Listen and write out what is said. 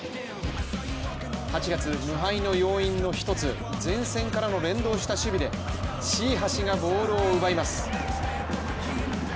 ８月無敗の要因の一つ前線からの連動した守備で椎橋がボールを奪います。